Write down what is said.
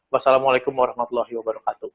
wassalamualaikum warahmatullahi wabarakatuh